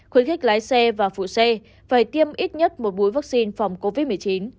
khuyến khích lái xe và phụ xe phải tiêm ít nhất một bối vaccine phòng covid một mươi chín